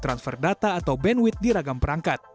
transfer data atau bandwidt di ragam perangkat